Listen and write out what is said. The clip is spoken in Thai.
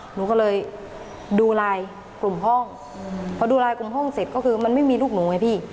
หนูก็เลยดูไลน์กลุ่มห้องพอดูไลน์กลุ่มห้องเสร็จก็คือมันไม่มีลูกหนูไงพี่